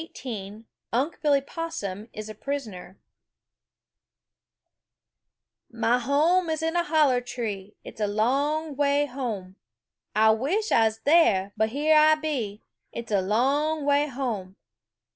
XVIII UNC' BILLY POSSUM IS A PRISONER "Mah home is in a holler tree It's a long way home! Ah wish Ah's there, but here Ah be It's a long way home!